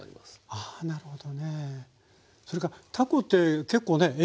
あなるほど。